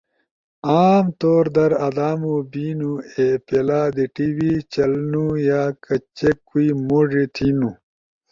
عام طور در آدامو بینو اے پیلا دی ٹی وی چلنو یا کچے کوئی موڙی تھینو۔